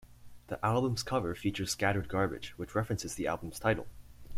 The album's cover features scattered garbage, which references the album's title.